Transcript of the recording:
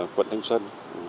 quận thanh xuân